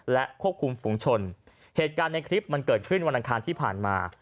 และควบคุมฝุงชนเหตุการณ์ในคลิปมันเกิดขึ้นวันอังคารที่ผ่านมา